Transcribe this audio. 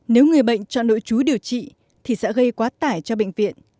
nếu người bệnh cho nội chú điều trị thì sẽ gây quá tải cho bệnh viện